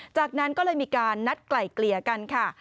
จากนั้นก็เลยมีการนัดไกล่เกลี่ยกันค่ะ